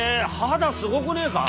肌すごくねえか？